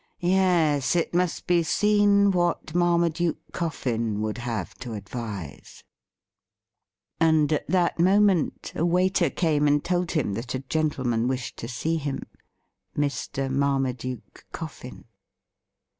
Yes, it must be seen what Marmaduke Coffin would have to advise. §66 THE RIDDLE RING And at that moment a waiter came and told him that a gentleman wished to see him — ^Mr. Marmaduke Coffin.